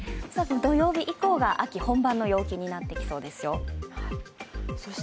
土曜日以降が秋本番の陽気になってきそうですよ。